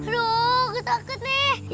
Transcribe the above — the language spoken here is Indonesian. ruh takut nih